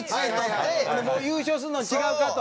優勝するんと違うか？と。